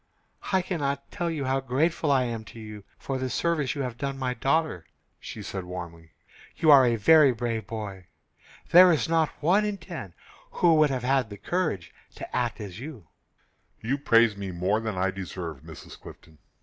"I cannot tell how grateful I am to you for the service you have done my daughter," she said, warmly. "You are a very brave boy. There is not one in ten who would have had the courage to act as you did." "You praise me more than I deserve, Mrs. Clifton.